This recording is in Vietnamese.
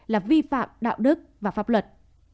là vi phạm đạo đức và pháp luật